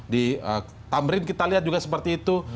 di tamrin kita lihat juga seperti itu